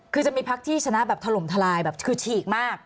คือจะมีพักที่ชนะแบบถล่มทลายแบบคือฉีกมาก